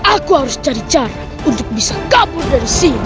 aku harus cari cara untuk bisa kabur dari sini